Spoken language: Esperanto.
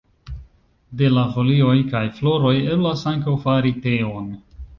De la folioj kaj floroj eblas ankaŭ fari teon.